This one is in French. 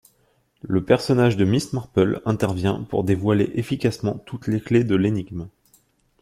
Le personnage de Miss Marple intervient pour dévoiler efficacement toutes les clefs de l'énigme.